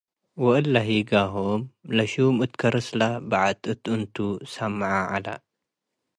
ወእለ ሂጋሆም ለሹም እት ከርስ ለበዐት እት እንቱ ሰምዐ ዐለ።